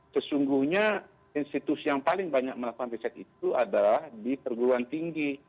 sesungguhnya institusi yang paling banyak melakukan riset itu adalah di perguruan tinggi